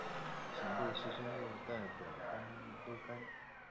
咸度适中又带点微甘